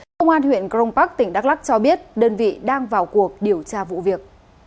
công an huyện crong park tỉnh đắk lắc cho biết đơn vị đang vào cuộc điều tra vụ việc